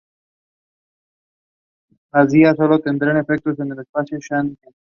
Las visas solo tendrán efecto en el espacio Schengen.